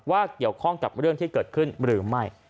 เกี่ยวข้องกับเรื่องที่เกิดขึ้นหรือไม่